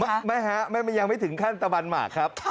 ไม่ฮะยังไม่ถึงขั้นตะบันหมากครับ